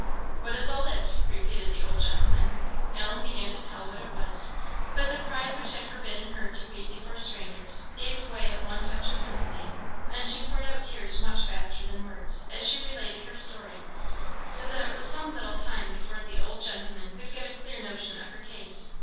"What is all this?" repeated the old gentleman. Ellen began to tell what it was, but the pride which had forbidden her to weep before strangers, gave way at one touch of sympathy, and she poured out tears much faster than words, as she related her story, so that it was some little time before the old gentleman could get a clear notion of her case.